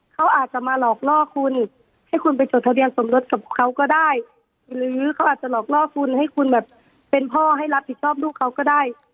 เขาอาจจะมาหลอกล่อคุณให้คุณไปจดทะเบียนสมรสกับเขาก็ได้หรือเขาอาจจะหลอกล่อคุณให้คุณแบบเป็นพ่อให้รับผิดชอบลูกเขาก็ได้